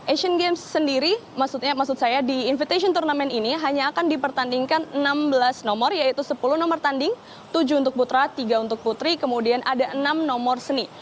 asian games sendiri maksud saya di invitation turnamen ini hanya akan dipertandingkan enam belas nomor yaitu sepuluh nomor tanding tujuh untuk putra tiga untuk putri kemudian ada enam nomor seni